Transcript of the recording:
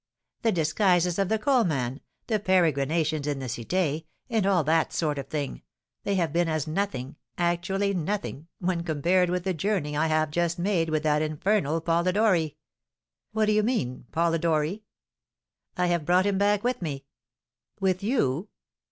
"The disguises of the coalman, the peregrinations in the Cité, and all that sort of thing, they have been as nothing, actually nothing, when compared with the journey I have just made with that infernal Polidori." "What do you mean? Polidori?" "I have brought him back with me." "With you?"